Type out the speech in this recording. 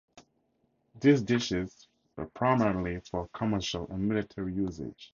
These dishes were primarily for commercial and military usage.